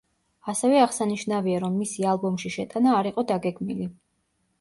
ასევე აღსანიშნავია, რომ მისი ალბომში შეტანა არ იყო დაგეგმილი.